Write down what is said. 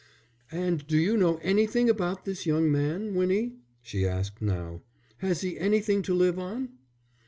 "And do you know anything about this young man, Winnie?" she asked now. "Has he anything to live on?"